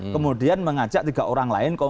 kemudian mengajak tiga orang lain